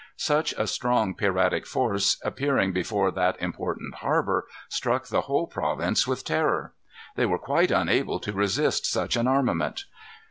Such a strong piratic force appearing before that important harbor, struck the whole province with terror. They were quite unable to resist such an armament.